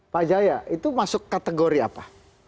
pak jaya itu masuk kategori apa